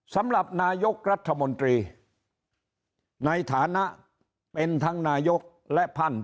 สำหรับนายกรัฐมนตรีในฐานะเป็นทั้งนายกและท่าน